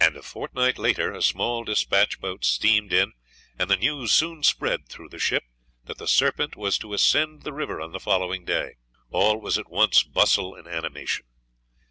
A fortnight later a small dispatch boat steamed in and the news soon spread through the ship that the Serpent was to ascend the river on the following day. All was at once bustle and animation.